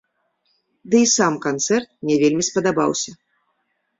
Дый сам канцэрт мне вельмі спадабаўся.